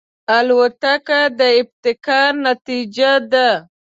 الوتکه د ابتکار نتیجه ده.